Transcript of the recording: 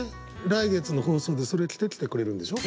来月の放送でそれ着てきてくれるんでしょ？